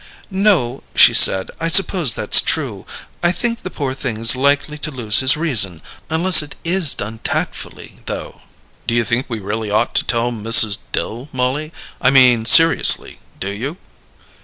"No," she said, "I suppose that's true. I think the poor thing's likely to lose his reason unless it is done tactfully, though." "Do you think we really ought to tell Mrs. Dill, Mollie? I mean, seriously: Do you?"